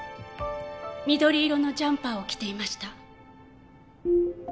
緑色のジャンパーを着ていました